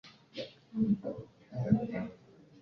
kwe mugenge mereyo iminsi itetu